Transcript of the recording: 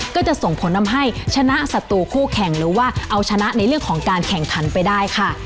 ก็จะส่งผลทำให้ชนะศัตรูคู่แข่งหรือว่าเอาชนะในเรื่องของการแข่งขันไปได้ค่ะ